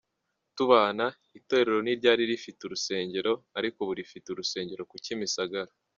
Tubana, Itorero ntiryari rifite Urusengero, ariko ubu rifite urusengero ku Kimisagara.